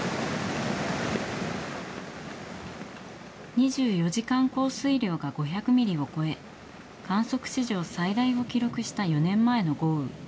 ２４時間降水量が５００ミリを超え、観測史上最大を記録した４年前の豪雨。